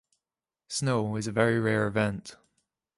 Snow is a very rare event.